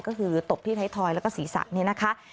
ก็คือตบที่ไทยทอยแล้วก็ศีรษะเนี่ยนะคะ